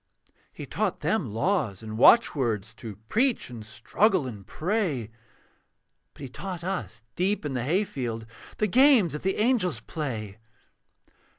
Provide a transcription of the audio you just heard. He taught them laws and watchwords, To preach and struggle and pray; But he taught us deep in the hayfield The games that the angels play.